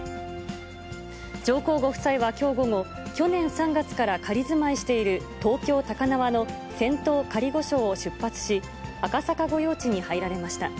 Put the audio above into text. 上皇ご夫妻はきょう午後、去年３月から仮住まいしている東京・高輪の仙洞仮御所を出発し、赤坂御用地に入られました。